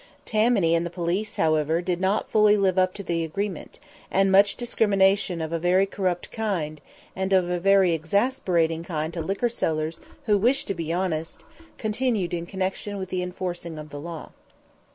Tammany and the police, however, did not fully live up to the agreement; and much discrimination of a very corrupt kind, and of a very exasperating kind to liquor sellers who wished to be honest, continued in connection with the enforcing of the law.